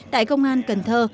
tại công an cần thơ